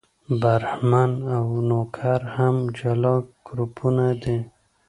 برهمن او نوکر هم جلا ګروپونه دي.